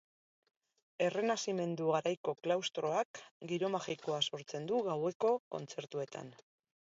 Errenazimendu garaiko klaustroak giro magikoa sortzen du gaueko kontzertuetan.